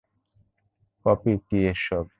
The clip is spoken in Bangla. কপি কী এইসব?